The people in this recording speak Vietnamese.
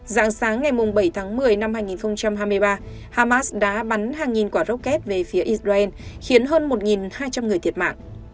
dạng sáng ngày bảy tháng một mươi năm hai nghìn hai mươi ba hamas đã bắn hàng nghìn quả rocket về phía israel khiến hơn một hai trăm linh người thiệt mạng